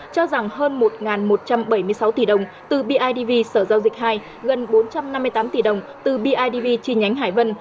cho rằng hơn một một trăm bảy mươi sáu tỷ đồng từ bidv sở giao dịch hai gần bốn trăm năm mươi tám tỷ đồng từ bidv chi nhánh hải vân